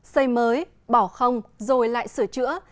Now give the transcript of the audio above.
xây mới bỏ không rồi lại sửa chữa